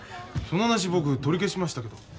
その話僕取り消しましたけど。